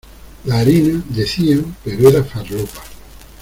La harina, decían, pero era farlopa.